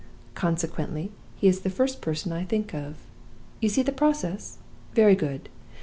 Consequently, he is the first person I think of. You see the process? Very good.